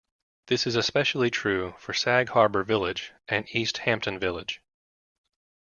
This is especially true for Sag Harbor Village and East Hampton Village.